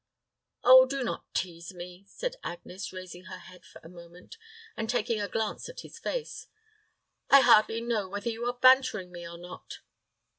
"Oh, do not tease me," said Agnes, raising her head for a moment, and taking a glance at his face. "I hardly know whether you are bantering me or not."